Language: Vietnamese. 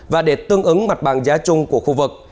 và để tương ứng mặt bằng giá chung của khu vực